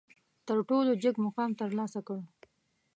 تر ټولو جګ مقام ترلاسه کړ.